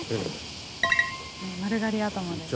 丸刈り頭で。